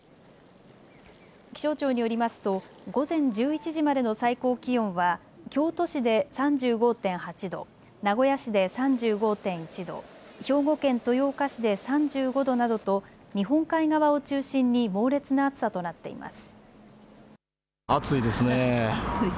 気象庁によりますと午前１１時までの最高気温は京都市で３５．８度、名古屋市で３５．１度、兵庫県豊岡市で３５度などと日本海側を中心に猛烈な暑さとなっています。